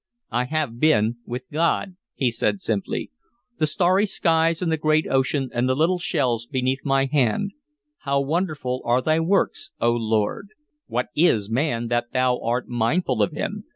"I have been with God," he said simply. "The starry skies and the great ocean and the little shells beneath my hand, how wonderful are thy works, O Lord! What is man that thou art mindful of him?